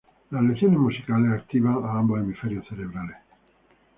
Las lecciones musicales activan a ambos hemisferios cerebrales.